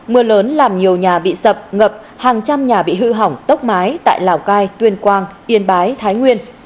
mưa lớn làm nhiều nhà bị sập ngập hàng trăm nhà bị hư hỏng tốc mái tại lào cai tuyên quang